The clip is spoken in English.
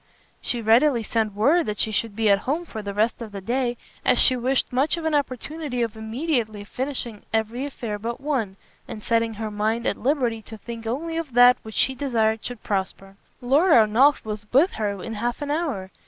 She readily sent word that she should be at home for the rest of the day, as she wished much for an opportunity of immediately finishing every affair but one, and setting her mind at liberty to think only of that which she desired should prosper. Lord Ernolf was with her in half an hour.